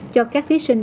cho các thí sinh